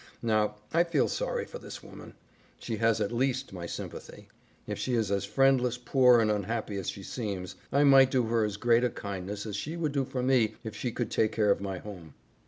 Now, I feel sorry for this woman. She has at least my sympathy. If she is as friendless, poor, and unhappy as she seems, I might do her as great a kindness as she would do for me if she could take care of my home.